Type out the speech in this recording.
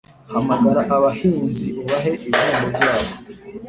Hamagara abahinzi ubahe ibihembo byabo